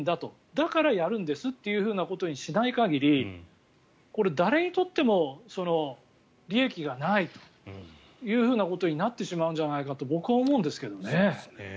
だからやるんですということにしない限りこれ、誰にとっても利益がないということになってしまうんじゃないかと僕は思うんですけどね。